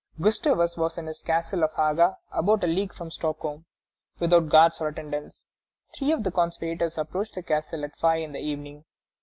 Gustavus was in his castle of Haga, about a league from Stockholm, without guards or attendants. Three of the conspirators approached the castle at five in the evening.